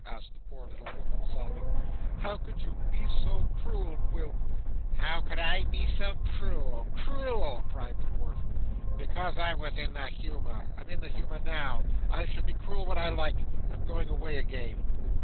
asked the poor little woman, sobbing. 'How could you be so cruel, Quilp?' 'How could I be so cruel! cruel!' cried the dwarf. 'Because I was in the humour. I'm in the humour now. I shall be cruel when I like. I'm going away again.